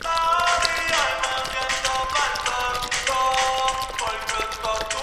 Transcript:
Entonces estalló una plaga que causó la muerte de numerosas personas.